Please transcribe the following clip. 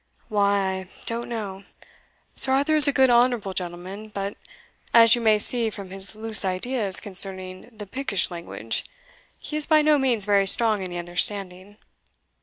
"Why, I don't know. Sir Arthur is a good honourable gentleman; but, as you may see from his loose ideas concerning the Pikish language, he is by no means very strong in the understanding.